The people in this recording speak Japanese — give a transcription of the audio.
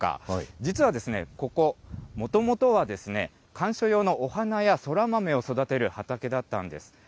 実はここ、もともとはですね、観賞用のお花やそらまめを育てる畑だったんです。